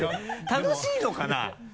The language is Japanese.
楽しいのかな？